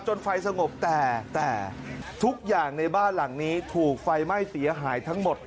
ไฟสงบแต่แต่ทุกอย่างในบ้านหลังนี้ถูกไฟไหม้เสียหายทั้งหมด